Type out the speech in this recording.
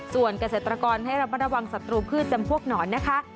ส่วนเกษตรกรให้ระมัดระวังศัตรูพืชจำพวกหนอนนะคะ